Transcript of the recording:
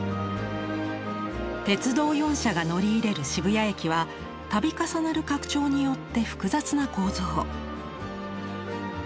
鉄道４社が乗り入れる渋谷駅は度重なる拡張によって複雑な構造。